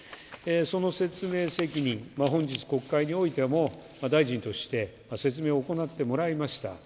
その説明責任、本日、国会においても、大臣として説明を行ってもらいました。